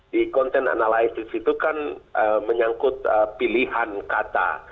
di content analysis itu kan menyangkut pilihan kata